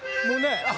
もうね。